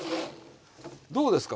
どうですか？